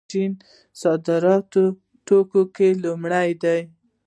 چین صادراتي توکو کې لومړی دی.